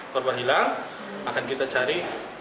korban hilang akan kita cari